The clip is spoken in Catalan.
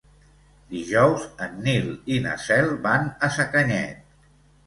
Dijous en Nil i na Cel van a Sacanyet.